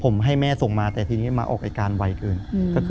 ใช่ครับ